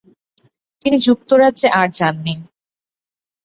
তিনি যুক্তরাজ্যে আর যাননি।